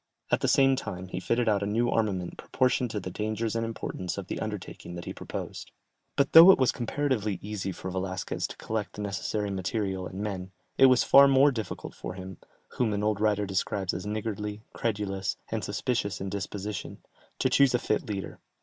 At the same time he fitted out a new armament proportioned to the dangers and importance of the undertaking that he proposed. But though it was comparatively easy for Velasquez to collect the necessary material and men, it was far more difficult for him whom an old writer describes as niggardly, credulous, and suspicious in disposition to choose a fit leader.